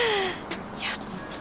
やった！